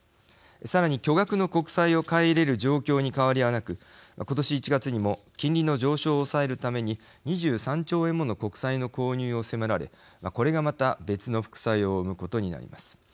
さらに巨額の国債を買い入れる状況に変わりはなく今年１月にも金利の上昇を抑えるために２３兆円もの国債の購入を迫られこれがまた、別の副作用を生むことになります。